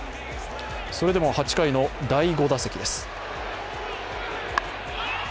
それでも８回の第５打席です。